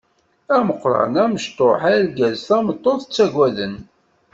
Ameqran amecṭuḥ argaz tameṭṭut ttagaden.